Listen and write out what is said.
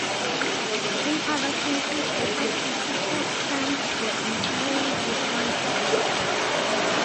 In other cases the substituted terms were entirely different words.